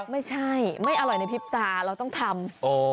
ไม่ใช่ไม่อร่อยในพุตรตาเราต้องทำ